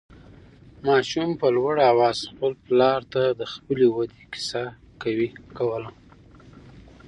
ماشوم په لوړ اواز خپل پلار ته د خپلې ودې قصه کوله.